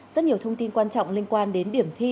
rất nhiều thông tin quan trọng liên quan đến điểm thi